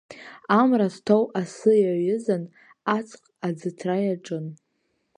Амра зҭоу асы иаҩызан, аҵых аӡыҭра иаҿын.